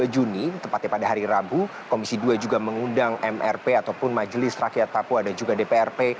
dua puluh juni tepatnya pada hari rabu komisi dua juga mengundang mrp ataupun majelis rakyat papua dan juga dprp